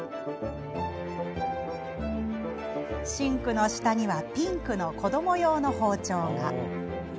シンクの下にはピンクの子ども用の包丁が。